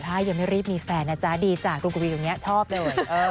ถ้ายังไม่รีบมีแฟนนะจ๊ะดีจ้ะกรุงกวีตรงนี้ชอบเลย